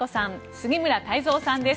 杉村太蔵さんです。